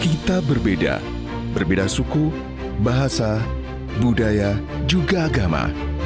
kita berbeda berbeda suku bahasa budaya juga agama